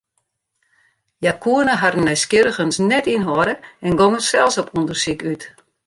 Hja koene harren nijsgjirrigens net ynhâlde en gongen sels op ûndersyk út.